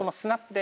で。